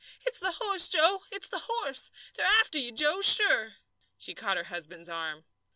"It's the horse, Joe! It's the horse! They're after you, Joe, sure!" She caught her husband's arm.